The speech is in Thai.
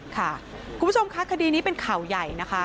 คุณผู้ชมค่ะคดีนี้เป็นข่าวใหญ่นะคะ